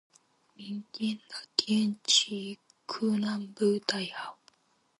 明天的天气可能不太好。